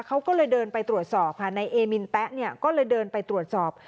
เขาก็เลยเดินไปตรวจสอบค่ะในเอมินแป๊ะเนี่ยก็เลยเดินไปตรวจสอบ